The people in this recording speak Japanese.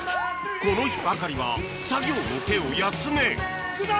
この日ばかりは作業の手を休めいくぞ！